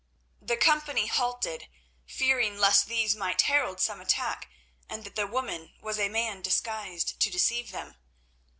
The company halted, fearing lest these might herald some attack and that the woman was a man disguised to deceive them.